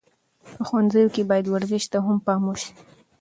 په ښوونځیو کې باید ورزش ته هم پام وسي.